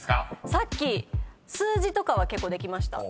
さっき数字とかは結構できました。